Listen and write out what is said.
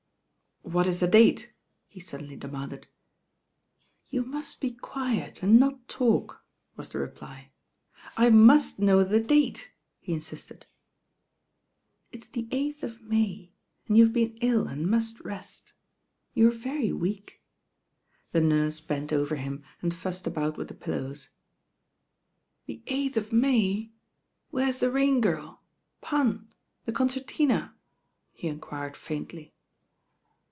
''What is the date?" he suddenly demanded. "You must be quiet and not talk," was the reply. "I must know the date," he insisted. "It's the eighth of May, and you've been ill and must rest. You're very weak." The nurse bent over him and fussed about with the pillows. *® THE RAIN GIRL "The eighth of May! Where's the Rain^irf. uLr! f'*"*^*'^*^" ^« enquired faintly.